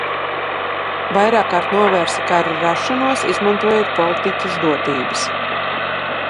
Vairākkārt novērsa karu rašanos, izmantojot politiķes dotības.